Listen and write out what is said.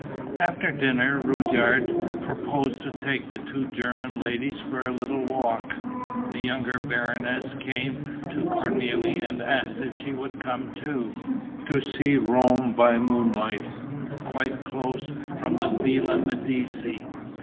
After dinner, Rudyard proposed to take the two German ladies for a little walk. The younger baroness came to Cornélie and asked if she would come too, to see Rome by moonlight, quite close, from the Villa Medici.